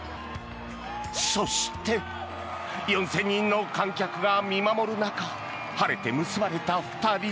そして４０００人の観客が見守る中晴れて結ばれた２人。